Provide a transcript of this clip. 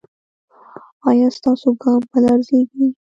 ایا ستاسو ګام به لړزیږي؟